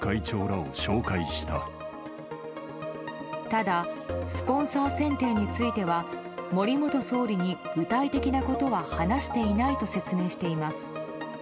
ただスポンサー選定については森元総理に具体的なことは話していないと説明しています。